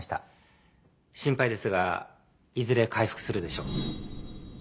心配ですがいずれ回復するでしょう。